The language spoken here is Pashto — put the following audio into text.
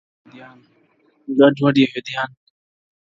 گـــډ وډ يـهـــوديـــان,